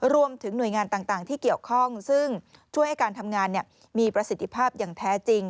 รวมถึงหน่วยงานต่างที่เกี่ยวข้องซึ่งช่วยให้การทำงานมีประสิทธิภาพอย่างแท้จริง